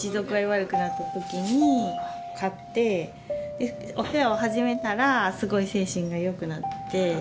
悪くなった時に飼ってお世話を始めたらすごい精神がよくなって。